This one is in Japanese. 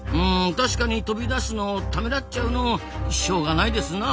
確かに飛び出すのをためらっちゃうのもしょうがないですな。